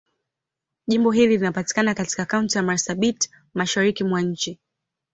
Jimbo hili linapatikana katika Kaunti ya Marsabit, Mashariki mwa nchi.